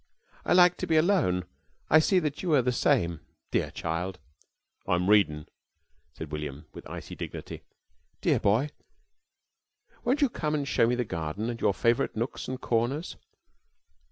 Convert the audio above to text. I like to be alone. I see that you are the same, dear child!" "I'm readin'," said William, with icy dignity. "Dear boy! Won't you come and show me the garden and your favourite nooks and corners?"